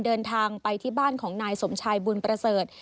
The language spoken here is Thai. เดินทางไปที่บ้านของนายสมชายบุญประเสริฐ